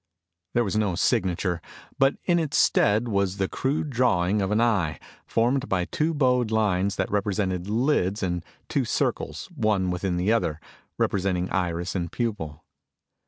There was no signature, but in its stead was the crude drawing of an eye, formed by two bowed lines that represented lids and two circles, one within the other, representing iris and pupil.